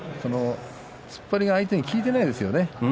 突っ張りが相手に効いていないですよね。